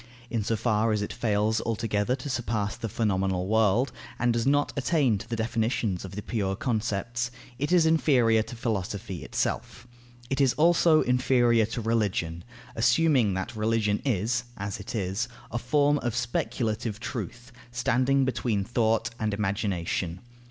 In so far as it fails altogether to surpass the phenomenal world, and does not attain to the definitions of the pure concepts, it is inferior to Philosophy itself. It is also inferior to Religion, assuming that religion is (as it is) a form of speculative truth, standing between thought and imagination.